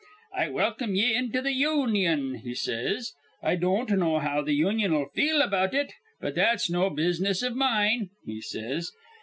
'I welcome ye into th' Union,' he says. 'I don't know how th' Union'll feel about it, but that's no business iv mine,' he says.